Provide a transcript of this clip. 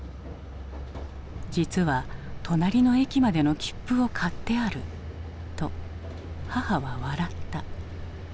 「実は隣の駅までの切符を買ってある」と母は笑った。